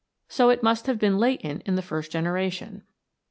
So it must have been latent in the first generation.